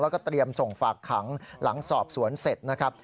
แล้วก็เตรียมส่งฝากขังหลังสอบสวนเสร็จนะครับ